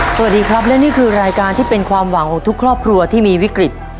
สวัสดีครับและนี่คือรายการที่เป็นความหวังของทุกครอบครัวที่มีวิกฤต